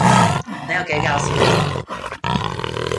你又幾搞笑喎